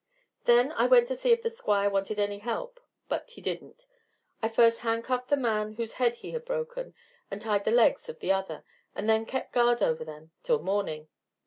"Then I went to see if the Squire wanted any help, but he didn't. I first handcuffed the man whose head he had broken, and tied the legs of the other, and then kept guard over them till morning.